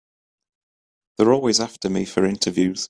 They're always after me for interviews.